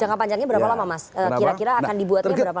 jangka panjangnya berapa lama mas kira kira akan dibuatnya berapa